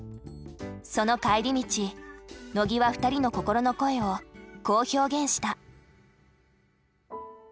その帰り道野木は２人の心の声をこう表現した。